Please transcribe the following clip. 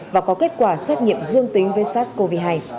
và có kết quả xét nghiệm dương tính với sars cov hai